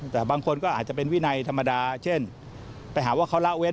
แต่บางคนก็อาจจะเป็นวินัยธรรมดาเช่นไปหาว่าเขาละเว้น